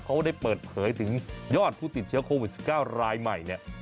เขาได้เปิดเผยถึงยอดผู้ติดเชื้อโควิด๑๙รายใหม่เนี่ย